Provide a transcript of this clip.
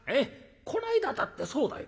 こないだだってそうだよ。